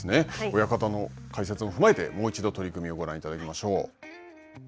親方の解説を踏まえてもう一度取組をご覧いただきましょう。